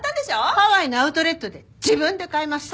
ハワイのアウトレットで自分で買いました！